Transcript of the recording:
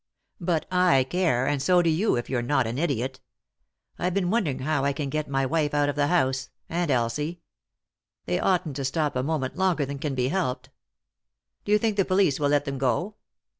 " But I care, and so do you, if you're not an idiot. I've been wondering how I can get my wife out of the house ; and Elsie. They oughtn't to stop a moment longer than can be helped." " Do you think the police will let them go